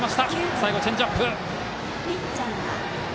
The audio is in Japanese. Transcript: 最後、チェンジアップ。